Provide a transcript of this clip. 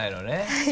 はい。